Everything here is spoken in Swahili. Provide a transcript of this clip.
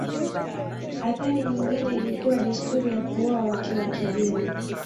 Athari nyingine ilikuwa desturi ya kuoa wake wa kigeni.